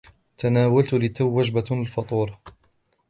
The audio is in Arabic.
تناولتُ للتو وجبة الفطور.